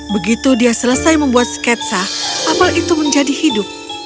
begitu dia selesai membuat sketsa apel itu menjadi hidup